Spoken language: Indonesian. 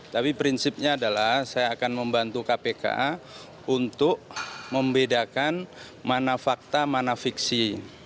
tapi prinsipnya adalah saya akan membantu kpk untuk membedakan mana fakta mana fiksi